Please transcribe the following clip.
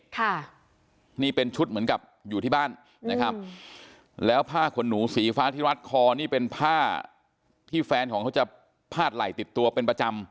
ค่ะนี่เป็นชุดเหมือนกับอยู่ที่บ้านนะครับแล้วผ้าขนหนูสีฟ้าที่รัดคอนี่เป็นผ้าที่แฟนของเขาจะพาดไหล่ติดตัวเป็นประจำ